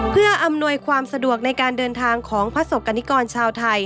เพื่ออำนวยความสะดวกในการเดินทางของประสบกรณิกรชาวไทย